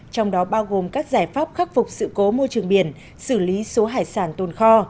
trong đó bao gồm các giải pháp khắc phục sự cố môi trường biển xử lý số hải sản tồn kho